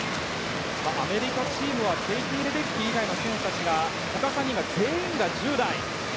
アメリカチームはケイティ・レデッキー以外の他３人が全員が１０代。